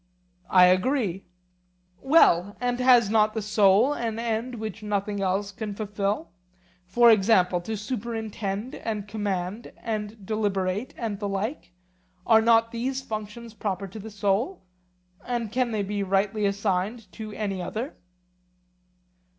I agree. Well; and has not the soul an end which nothing else can fulfil? for example, to superintend and command and deliberate and the like. Are not these functions proper to the soul, and can they rightly be assigned to any other?